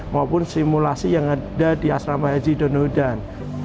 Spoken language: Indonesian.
maupun simulasi yang ada di asrama haji donodan